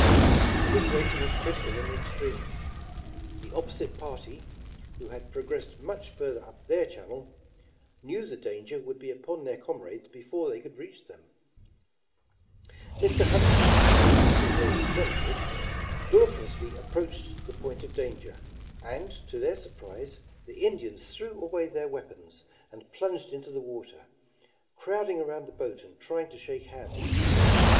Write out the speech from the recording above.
The situation was critical in the extreme. The opposite party, who had progressed much further up their channel, knew 177 The Original John Jacob Astor f agniiamfin the danger would be upon their comrades before they could reach them. Mr. Hunt's company having no alternative, dannt lessly approached the point of danger, and to their surprise, the Indians threw away their weapons and plunged into the water, crowding around the boat and trying to shake hands.